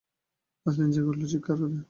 নাজনীন জেগে উঠল চিৎকার করে।